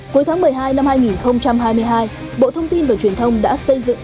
cuối tháng một mươi hai năm hai nghìn hai mươi hai bộ thông tin và truyền thông đã xây dựng